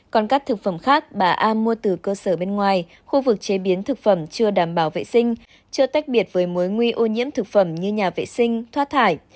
còn các thực phẩm khác bà a mua từ cơ sở bên ngoài khu vực chế biến thực phẩm chưa đảm bảo vệ sinh chưa tách biệt với mối nguy nhiễm thực phẩm như nhà vệ sinh thoát thải